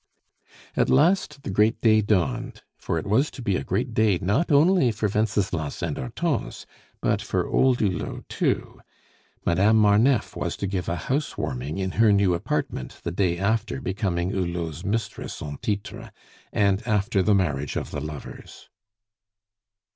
At last the great day dawned for it was to be a great day not only for Wenceslas and Hortense, but for old Hulot too. Madame Marneffe was to give a house warming in her new apartment the day after becoming Hulot's mistress en titre, and after the marriage of the lovers.